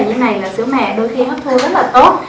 như này là sữa mẹ đôi khi hấp thu rất là tốt